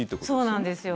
そうなんですよ。